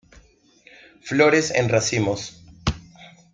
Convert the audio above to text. Flores en racimos.